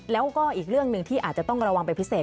แล้วก็อีกเรื่องหนึ่งที่อาจจะต้องระวังเป็นพิเศษ